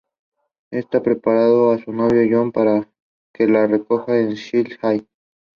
He graduated from the Medical University of Silesia.